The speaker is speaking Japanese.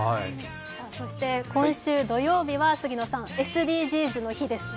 そして今週土曜日は杉野さん、ＳＤＧｓの日ですね。